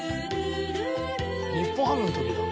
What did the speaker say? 「日本ハムの時だ」